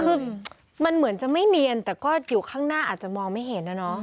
คือมันเหมือนจะไม่เนียนแต่ก็อยู่ข้างหน้าอาจจะมองไม่เห็นนะเนาะ